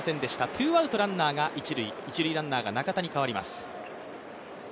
ツーアウトランナー、一塁一塁ランナーが中田に代わります。